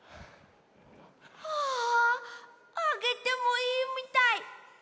ああげてもいいみたい。